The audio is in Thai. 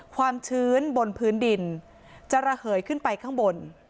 ความชื้นบนพื้นดินจะระเหยขึ้นไปข้างบน